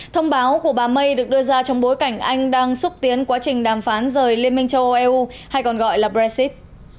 thông báo của bà may được đưa ra trong bối cảnh anh đang xúc tiến quá trình đàm phán rời liên minh châu âu eu hay còn gọi là brexit